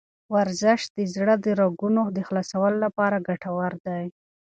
ورزش د زړه د رګونو د خلاصولو لپاره ګټور دی.